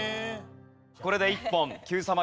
これで１本Ｑさま！！